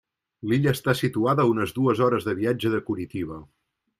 L'illa està situada a unes dues hores de viatge de Curitiba.